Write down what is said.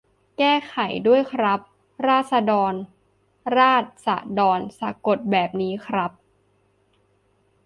แก้ไขด้วยครับ "ราษฎร" ราด-สะ-ดอน สะกดแบบนี้ครับ